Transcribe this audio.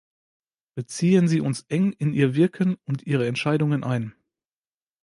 Beziehen Sie uns eng in Ihr Wirken und Ihre Entscheidungen ein.